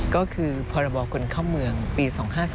ก็คือพคเข้าเมืองปี๒๕๒๒